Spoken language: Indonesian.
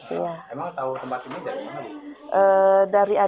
emang tahu tempat ini dari mana